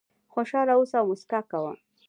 خوشاله اوسه او موسکا کوه .